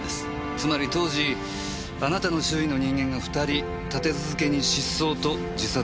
つまり当時あなたの周囲の人間が２人立て続けに失踪と自殺をした事になります。